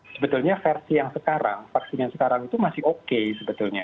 sebetulnya versi yang sekarang vaksin yang sekarang itu masih oke sebetulnya